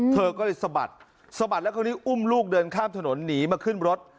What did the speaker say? เธอก็เลยสะบัดสะบัดแล้วคราวนี้อุ้มลูกเดินข้ามถนนหนีมาขึ้นรถ